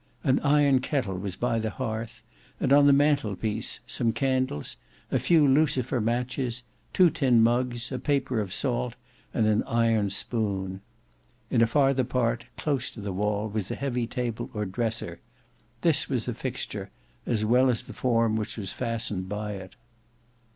An iron kettle was by the hearth, and on the mantel piece, some candles, a few lucifer matches, two tin mugs, a paper of salt, and an iron spoon. In a farther part, close to the wall, was a heavy table or dresser; this was a fixture, as well as the form which was fastened by it.